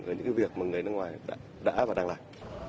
ở những việc mà người nước ngoài đã và đang làm